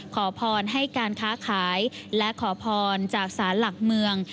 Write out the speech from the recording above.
ขอพรให้การค้าขายและขอพรจากศาลหลักเมือง